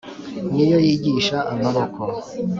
Ni yo yigisha amaboko